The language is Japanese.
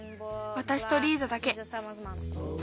わたしとリーザだけ。